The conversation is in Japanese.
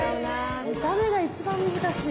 見た目が一番難しい。